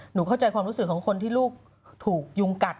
เข้าใจความรู้สึกของคนที่ลูกถูกยุงกัด